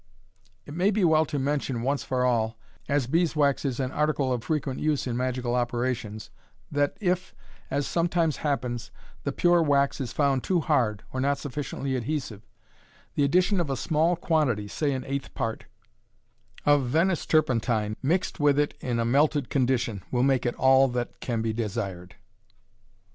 It may be well to mention, once for all, as bees' wax is an article of frequent use in magical operations, that if, as sometimes happens, the pure wax is found too hard, or not sufficiently adhesive, the addition of a small quantity (say an eighth part) of Venice tur pentine, mixed with it in a melted condition, will make it all that can be desired.